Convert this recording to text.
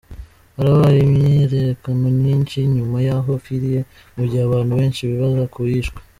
Harabaye imyiyerekano myinshi inyuma y'aho apfiriye, mu gihe abantu benshi bibaza ko yishwe.